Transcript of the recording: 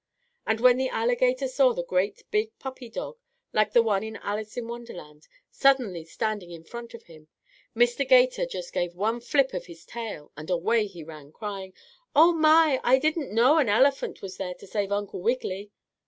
And when the alligator saw the great big puppy dog, like the one in Alice of Wonderland, suddenly standing in front of him, Mr. 'Gator just gave one flip of his tail, and away he ran crying: "Oh, my! I didn't know an elephant was there to save Uncle Wiggily!"